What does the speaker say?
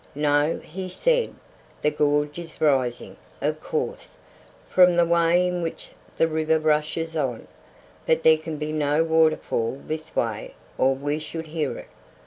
"No," he said, "the gorge is rising, of course, from the way in which the river rushes on, but there can be no waterfall this way or we should hear it.